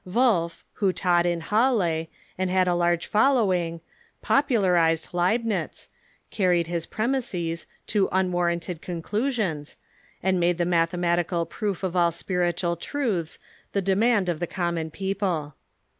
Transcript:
Wolf, who taught in Halle, and had a large following, popularized Leib nitz, carried liis premises to unwarranted conclusions, and made the mathematical proof of all spiritual truths the de mand of the common people.